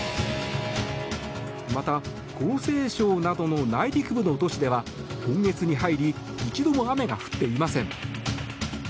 また、江西省などの内陸部の都市では今月に入り一度も雨が降っていません。